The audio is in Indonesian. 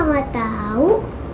aku juga gak tau